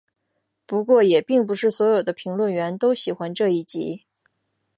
不过也并不是所有的评论员都喜欢这一集。